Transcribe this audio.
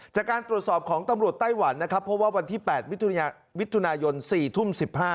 จากการตรวจสอบของตำรวจไต้หวันนะครับเพราะว่าวันที่๘มิถุนายน๔ทุ่ม๑๕